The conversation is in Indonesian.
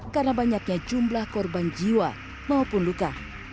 karena banyaknya jumlah korban jiwa maupun luka